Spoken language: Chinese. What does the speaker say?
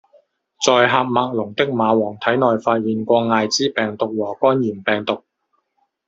在喀麦隆的蚂蟥体内发现过艾滋病毒和肝炎病毒。